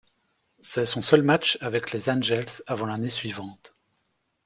C'est son seul match avec les Angels avant l'année suivante.